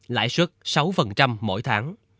lãi suất sáu mỗi tháng